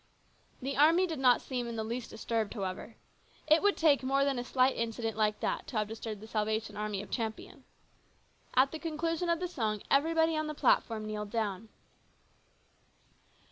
The army did not seem in the least disturbed however. It would take more than a slight incident like that to have disturbed the Salvation Army of Champion. At the conclusion of the song everybody on the platform kneeled down.